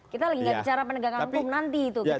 kita lagi gak bicara penegakan hukum nanti itu